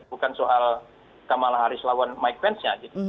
bukan soal kamala harris melawan mike pence